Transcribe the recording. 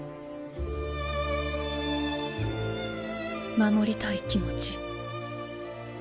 護りたい気持ち